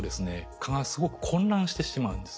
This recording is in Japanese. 蚊がすごく混乱してしまうんです。